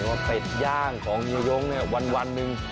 ว่าเป็ดย่างของนิยงวันหนึ่ง